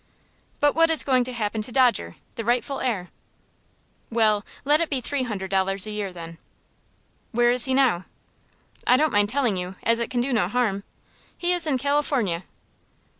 "But what is going to happen to poor Dodger, the rightful heir?" "Well, let it be three hundred dollars a year, then." "Where is he now?" "I don't mind telling you, as it can do no harm. He is in California."